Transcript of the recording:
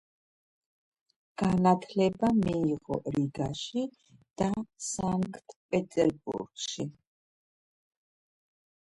განათლება მიიღო რიგაში და სანქტ-პეტერბურგში.